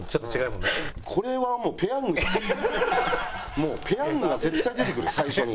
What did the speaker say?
もうペヤングが絶対出てくる最初に。